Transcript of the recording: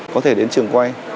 có thể đến trường quay